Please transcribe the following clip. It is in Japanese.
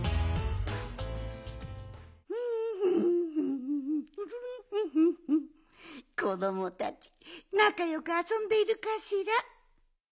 「フンフフフンフフフフフフン」こどもたちなかよくあそんでいるかしら。